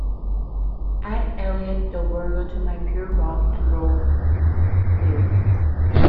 Add Elliot Del Borgo to my pure rock & roll playlist.